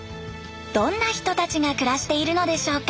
どんな人たちが暮らしているのでしょうか？